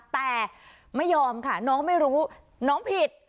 แต่ไม่ยอมค่ะน้องไม่รู้น้องผิด